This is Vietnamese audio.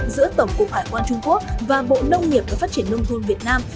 giữa tổng cục hải quan trung quốc và bộ nông nghiệp và phát triển nông thôn việt nam